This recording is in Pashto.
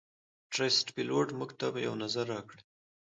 ټرسټ پیلوټ - موږ ته یو نظر راکړئ